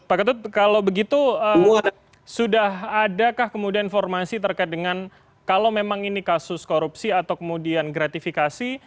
pak ketut kalau begitu sudah adakah kemudian informasi terkait dengan kalau memang ini kasus korupsi atau kemudian gratifikasi